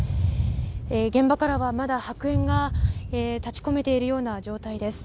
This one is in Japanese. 現場からは、まだ白煙が立ち込めているような状態です。